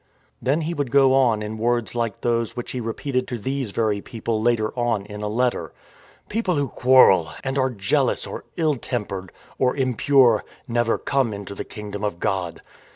Then he would go on in words like those which he repeated to these very people later on in a letter :" People who quarrel and are jealous or ill tem pered, or impure, never come into the Kingdom of God.